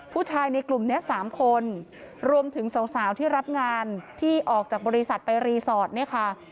ผู้ชายในกลุ่มนี้๓คนรวมถึงสาวที่รับงานที่ออกจากบริษัทไปรีสอร์ทเนี่ยค่ะ